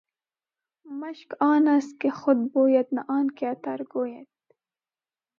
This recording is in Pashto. مشک آن است که خود بوید نه آن که عطار ګوید.